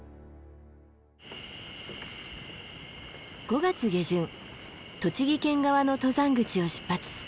５月下旬栃木県側の登山口を出発。